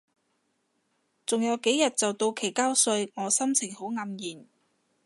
仲有幾日就到期交稅，我心情好黯然